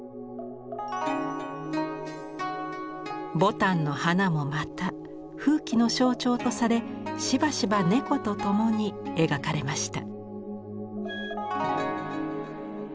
ボタンの花もまた富貴の象徴とされしばしば猫と共に描かれました。